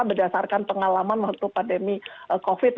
berdasarkan pengalaman waktu pandemi covid